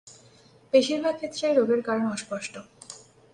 বেশিরভাগ ক্ষেত্রে এই রোগের কারণ অস্পষ্ট।